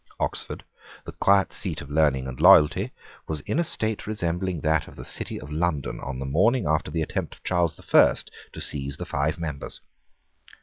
Oxford, the quiet scat of learning and loyalty, was in a state resembling that of the City of London on the morning after the attempt of Charles the First to seize the five members.